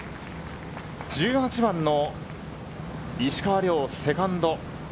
１８番の石川遼、セカンド。